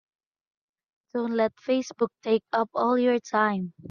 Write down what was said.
Don't let Facebook take up all of your time.